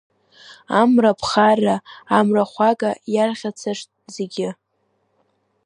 Амра аԥхара амрахәага иарӷьацашт зегьы.